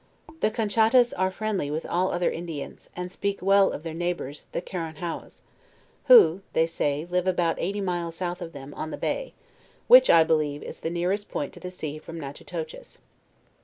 The Conchat tas are friendiy with all other Indians, and speak well of their neighbors the Caranhouas, who; they say live abput eighty miles south of them, on the bay, which I believe, is the nearest point to the sea from Natehitoches.